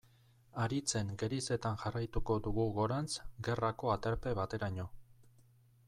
Haritzen gerizetan jarraituko dugu gorantz, gerrako aterpe bateraino.